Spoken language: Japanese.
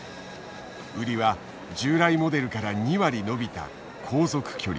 売りは従来モデルから２割伸びた「航続距離」。